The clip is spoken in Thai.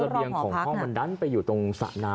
ที่ระเบียงของเข้ามึงมันดันไปตรงศะน้ำ